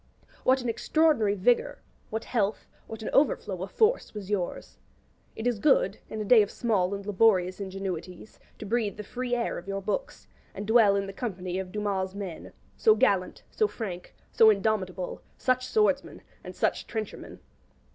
What an extraordinary vigour, what health, what an overflow of force was yours! It is good, in a day of small and laborious ingenuities, to breathe the free air of your books, and dwell in the company of Dumas's men so gallant, so frank, so indomitable, such swordsmen, and such trenchermen.